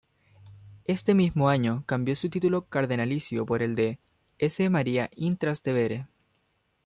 Este mismo año cambió su título cardenalicio por el de "S. Maria in Trastevere".